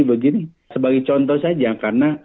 begini sebagai contoh saja karena